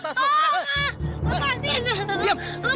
mas kalau ada langkah mimpi